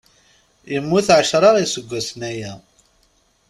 Immut ɛecra iseggasen aya.